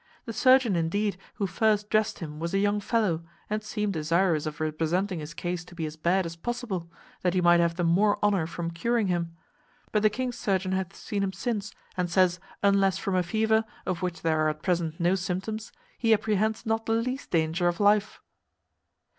The surgeon, indeed, who first dressed him was a young fellow, and seemed desirous of representing his case to be as bad as possible, that he might have the more honour from curing him: but the king's surgeon hath seen him since, and says, unless from a fever, of which there are at present no symptoms, he apprehends not the least danger of life."